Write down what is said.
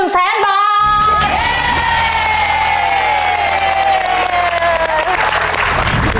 ๑แสนบาท